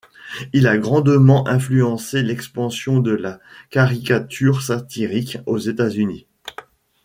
Il a grandement influencé l'expansion de la caricature satirique aux États-Unis.